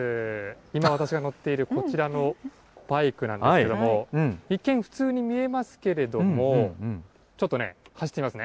今私が乗っているこちらのバイクなんですけども、一見普通に見えますけれども、ちょっとね、走ってみますね。